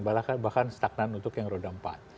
bahkan stagnan untuk yang roda empat